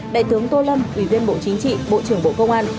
đại tướng tô lâm ủy viên bộ chính trị bộ trưởng bộ công an